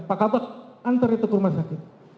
pak kabak antar itu ke rumah sakit